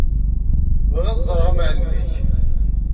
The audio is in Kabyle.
Bɣiɣ ad ẓreɣ amɛellem-ik.